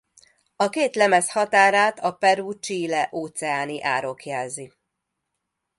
A két lemez határát a Peru-Chile óceáni árok jelzi.